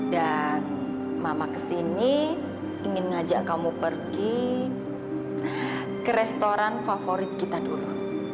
dan mama kesini ingin ngajak kamu pergi ke restoran favorit kita dulu